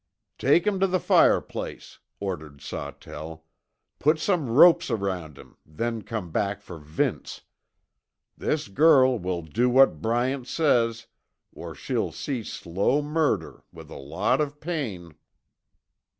"Take him to the fireplace," ordered Sawtell, "put some ropes around him, then come back for Vince. This girl will do what Bryant says, or she'll see slow murder, with a lot of pain."